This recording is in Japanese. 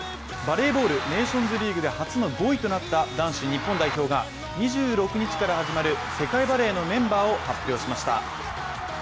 バレーボール、ネーションズリーグで初の５位となった男子日本代表が２６日から始まる世界バレーのメンバーを発表しました。